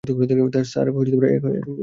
Sir, এখনো একটু বাকি আছে।